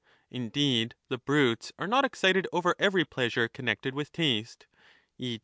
Indeed, the brutes are not excited over every pleasure connected with taste, e.